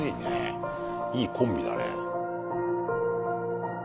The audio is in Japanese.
いいコンビだね。